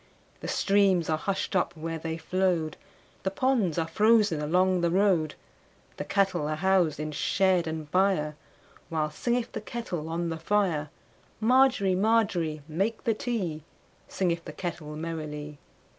The streams are hushed up where they flowed, The ponds are frozen along the road, The cattle are housed in shed and byreWhile singeth the kettle on the fire. Margery, Margery, make the tea, Singeth the kettle merrily.